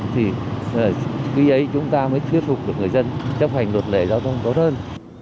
thì khi ấy chúng ta mới tiếp tục được người dân chấp hành luật lệ giao thông tốt hơn